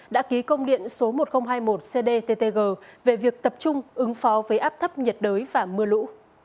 đã ký công điện số một nghìn hai mươi một cdttg về việc tập trung ứng phó với áp thấp nhiệt đới và mưa lũ